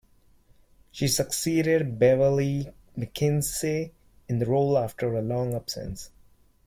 She succeeded Beverlee McKinsey in the role after a long absence.